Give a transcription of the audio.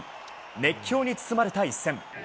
熱狂に包まれた一戦。